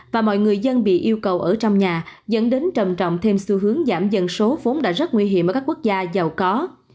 và mọi người dân bị yêu cầu ở trong nhà dẫn đến trầm trọng thêm xu hướng giảm dân số vốn đã rất nguy hiểm ở các quốc gia giàu có